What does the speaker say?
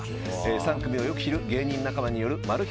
３組をよく知る芸人仲間によるマル秘